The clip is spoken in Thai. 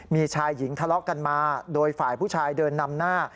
มีชายหญิงทะเลาะกันมาโดยฝ่ายผู้ชายเดินนำหน้า